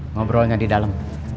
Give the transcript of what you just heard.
ngobrolnya di dalem